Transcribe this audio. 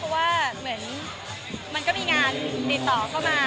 เหมือนมันก็มีงานติดต่อเข้ามา